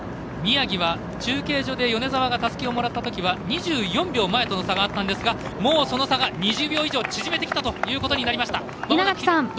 宮城は中継所で米澤がたすきをもらったときは２４秒前との差があったんですがもうその差が２０秒以上縮めてきたことになりました。